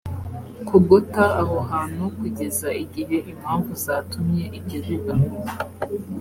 kugota aho hantu kugeza igihe impamvu zatumye ibyo biba